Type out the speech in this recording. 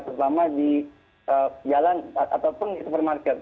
terutama di jalan ataupun di supermarket